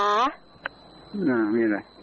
อ้าวมีอะไร